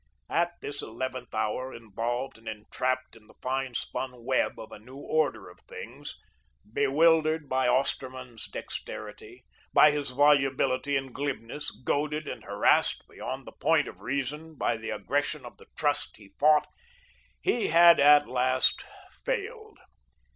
At this eleventh hour, involved and entrapped in the fine spun web of a new order of things, bewildered by Osterman's dexterity, by his volubility and glibness, goaded and harassed beyond the point of reason by the aggression of the Trust he fought, he had at last failed.